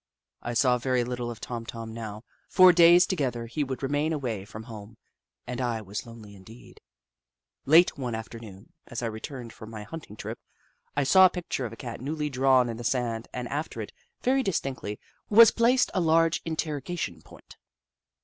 I saw very little of Tom Tom now. For days together he would remain away from home, and I was lonely Indeed. Late one afternoon, as I returned from my hunting trip, I saw a picture of a Cat newly drawn In the sand, and after it, very distinctly, was placed a large Interrogation point.